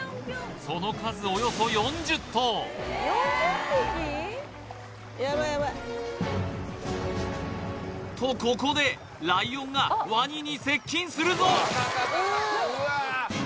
その数およそ４０頭とここでライオンがワニに接近するぞ